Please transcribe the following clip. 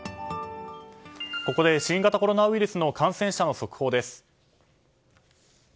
ここで新型コロナウイルスの感染者の速報です。